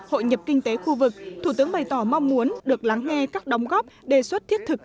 hội nhập kinh tế khu vực thủ tướng bày tỏ mong muốn được lắng nghe các đóng góp đề xuất thiết thực